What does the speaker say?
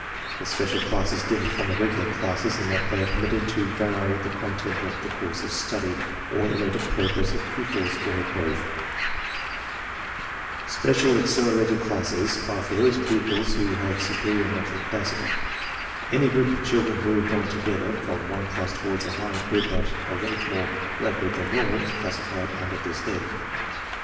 These special classes differ from the regular classes in that they are permitted to vary the content of the course of study, or the rate of progress of pupils, or both. ^Special Accelerated Classes are for those pupils who 36 TESTS AND SCHOOL REORGANIZATION have superior mental capacity. Any group of children moved on together from one class toward a higher group at a rate more rapid than normal is classified under this head.